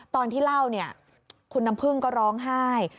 ตอนที่เล่าเนี่ยคุณน้ำพึ่งก็ร้องไห้